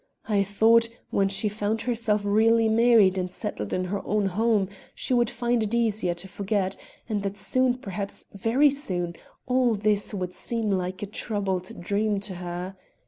I thought, when she found herself really married and settled in her own home, she would find it easier to forget, and that soon, perhaps very soon, all this would seem like a troubled dream to her.